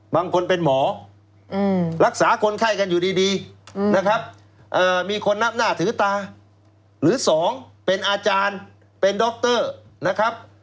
บางคนเป็นหมอรักษาคนไข้กันอยู่ดีนะครับ